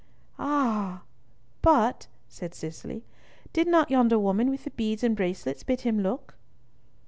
"Ah! but," said Cicely, "did not yonder woman with the beads and bracelets bid him look?"